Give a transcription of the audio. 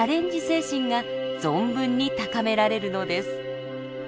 精神が存分に高められるのです。